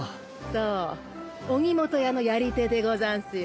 そう荻本屋の遣手でござんすよ。